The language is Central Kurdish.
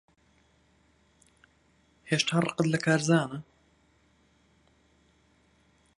هێشتا ڕقت لە کارزانە؟